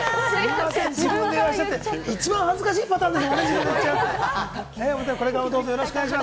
すみません、自分で言わせちゃって、一番恥ずかしいパターンです